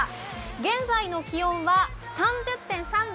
現在の気温は３０．３度。